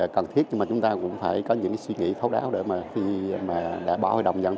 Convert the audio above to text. cần thiết nhưng chúng ta cũng phải có những suy nghĩ thấu đáo để khi đã bỏ hội đồng nhân dân